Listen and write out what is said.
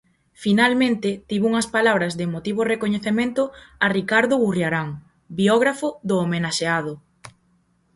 Finalmente, tivo unhas palabras de emotivo recoñecemento a Ricardo Gurriarán, biógrafo do homenaxeado.